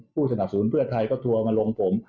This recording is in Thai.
ผู้สนับสนุนเพื่อไทยก็ทัวร์มาลงผม